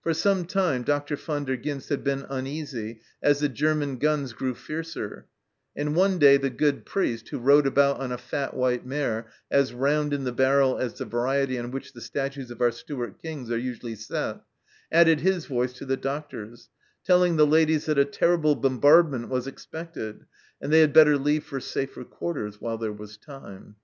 For some time Dr. Van der Ghinst had been uneasy as the German guns grew fiercer, and one day the good priest, who rode about on a fat white mare as round in the barrel as the variety on which the statues of our Stuart Kings are usually set, added his voice to the doctor's, telling the ladies that a terrible bombardment was expected, and they had better leave for safer quarters while there was time.